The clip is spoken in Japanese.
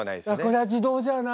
これは自動じゃない。